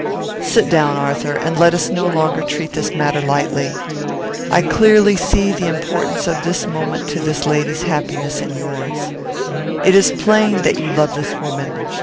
"Sit down, Arthur, and let us no longer treat this matter lightly. I clearly see the importance of this moment to this lady's happiness and yours. It is plain that you love this woman.